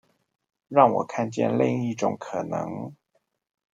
讓我看見另一種可能